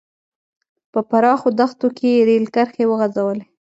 په پراخو دښتو کې یې رېل کرښې وغځولې.